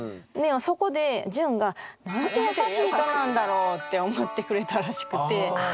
そこでジュンが「なんて優しい人なんだろう」って思ってくれたらしくて。